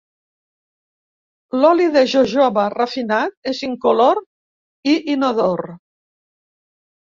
L'oli de jojoba refinat és incolor i inodor.